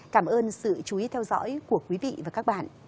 cảm ơn sự chú ý theo dõi của quý vị và các bạn